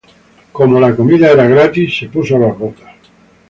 Como la comida era gratis, se puso las botas